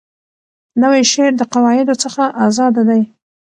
نوی شعر د قواعدو څخه آزاده دی.